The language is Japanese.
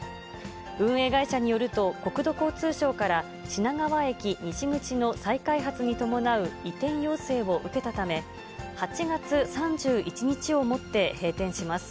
運営会社によると、国土交通省から品川駅西口の再開発に伴う移転要請を受けたため、８月３１日をもって閉店します。